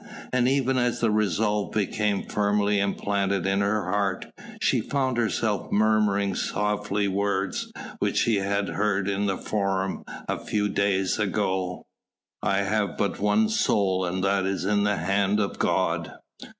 And even as the resolve became firmly implanted in her heart, she found herself murmuring softly words which she had heard in the Forum a very few days ago. "I have but one soul and that is in the hand of God!"